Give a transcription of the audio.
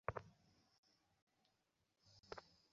New অর্লিন্সে, সবাই ডাঙায় চলো!